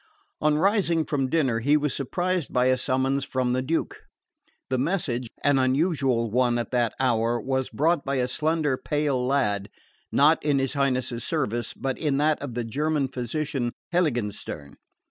On rising from dinner he was surprised by a summons from the Duke. The message, an unusual one at that hour, was brought by a slender pale lad, not in his Highness's service, but in that of the German physician Heiligenstern.